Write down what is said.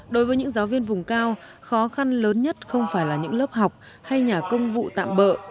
đối với những giáo viên vùng cao khó khăn lớn nhất không phải là những lớp học hay nhà công vụ tạm bỡ